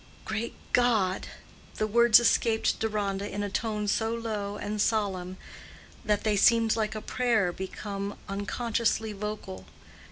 "Great God!" the words escaped Deronda in a tone so low and solemn that they seemed like a prayer become unconsciously vocal.